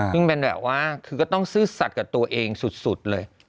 ยิ่งเป็นแบบว่าคือก็ต้องซื่อสัตว์กับตัวเองสุดเลย